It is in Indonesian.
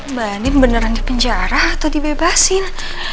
mbak andi beneran dipenjara atau dibebasin